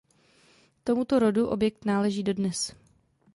Tomuto rodu objekt náleží dodnes.